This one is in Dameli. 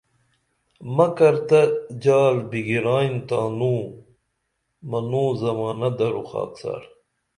مکر تہ جال بِگرائین تانوں منوں زمانہ درو خاکسار